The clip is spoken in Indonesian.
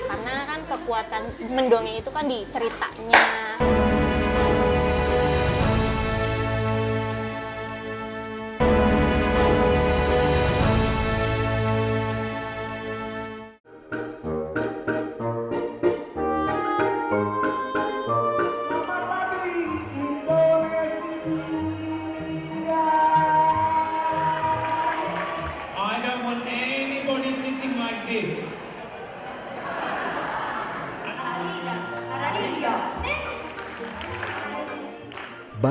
karena kekuatan mendongeng itu di ceritanya